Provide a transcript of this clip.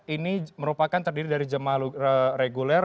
ini merupakan terdiri dari jemaah reguler